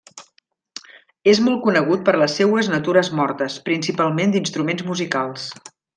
És molt conegut per les seues natures mortes, principalment d'instruments musicals.